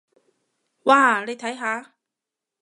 哇，你睇下！